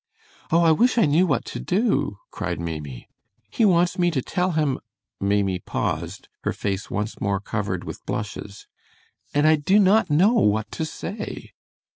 "Oh, I wish I knew what to do!" cried Maimie. "He wants me to tell him " Maimie paused, her face once more covered with blushes, "and I do not know what to say!"